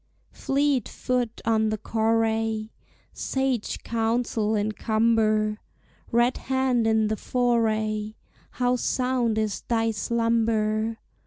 Fleet foot on the correi, Sage counsel in cumber, Red hand in the foray, How sound is thy slumber!